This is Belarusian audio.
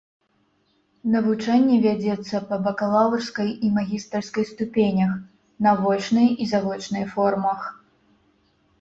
Навучанне вядзецца па бакалаўрскай і магістарскай ступенях, на вочнай і завочнай формах.